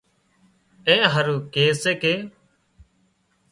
اين هارو ڪي سي ڪي